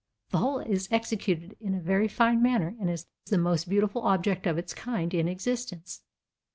The whole is executed in a very fine manner and is the most beautiful object of its kind in existence.